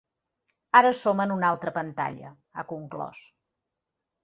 Ara som en una altra pantalla, ha conclòs.